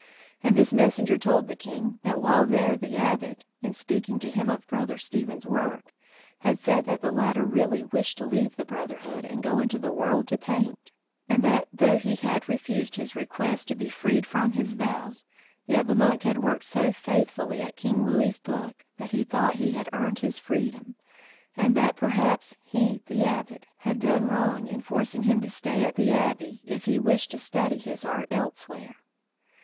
And this messenger told the king that while there the Abbot, in speaking to him of Brother Stephen's work, had said that the latter really wished to leave the brotherhood and go into the world to paint; and that, though he had refused his request to be freed from his vows, yet the monk had worked so faithfully at King Louis's book that he thought he had earned his freedom, and that perhaps he, the Abbot, had done wrong in forcing him to stay at the Abbey if he wished to study his art elsewhere.